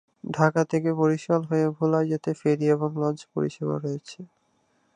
ঢাকা থেকে বরিশাল হয়ে ভোলায় যেতে ফেরী এবং লঞ্চ পরিষেবা রয়েছে।